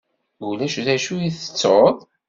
Ulac d acu i tettuḍ?